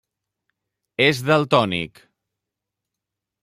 És daltònic.